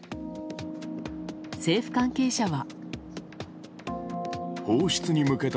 政府関係者は。